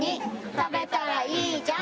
「食べたらいいじゃん！」